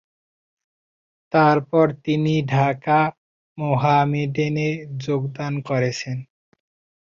অতঃপর তিনি ঢাকা মোহামেডানে যোগদান করেছেন।